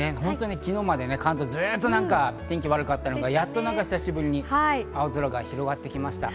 昨日まで関東はずっと天気が悪かったのがやっと久しぶりに青空が広がってきました。